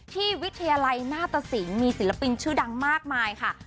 ที่วิทยาลัยณฏศิงย์มีศิลปินชื่อดังมากหมาค่ะ